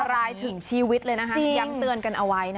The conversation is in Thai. รายถึงชีวิตเลยนะคะย้ำเตือนกันเอาไว้